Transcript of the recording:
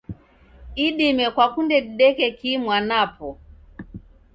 Idime kwakunde dideke kii mwanapo?